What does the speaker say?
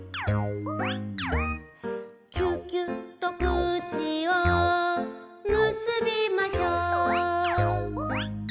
「キュキュッと口をむすびましょう」